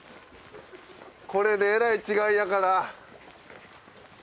これでえらい違いやから。